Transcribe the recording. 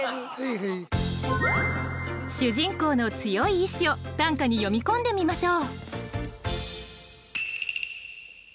主人公の強い意志を短歌に詠み込んでみましょう。